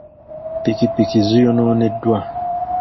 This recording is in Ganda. Ppikipiki ziyonooneddwa.